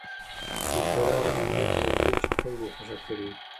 مقوله هغه جملې ته ویل کېږي چې خلکو خوښه کړې وي